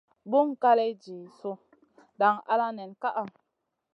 Buŋ kaley jih su dang ala nen kaʼa.